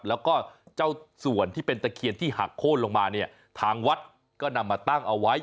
แล้วก็เจ้าส่วนที่เป็นตะเคียนที่หักโค้นลงมาเนี่ยทางวัดก็นำมาตั้งเอาไว้